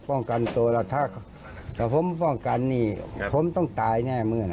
ป้องกันตัวละถ้าจะพอมีออกกันนี่ข้อมต้องตายแน่มึง